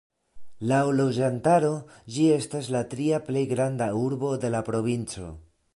Laŭ loĝantaro ĝi estas la tria plej granda urbo de la provinco.